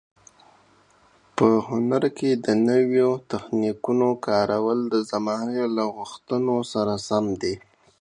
په هنر کې د نویو تخنیکونو کارول د زمانې له غوښتنو سره سم دي.